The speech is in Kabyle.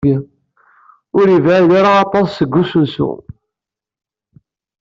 Ur yebɛid ara aṭas seg usensu.